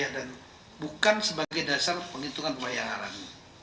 dan bukan sebagai dasar penghitungan pembayaran